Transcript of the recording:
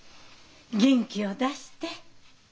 元気を出して。